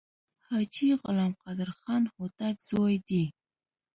حاجي غلام قادر خان هوتک زوی دی.